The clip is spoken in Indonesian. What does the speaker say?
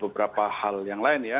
beberapa hal yang lain ya